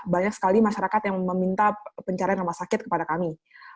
banyak sekali masyarakat yang meminta pencarian rumah sakit kepada kami